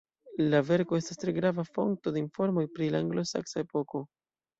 La verko estas tre grava fonto de informoj pri la anglosaksa epoko.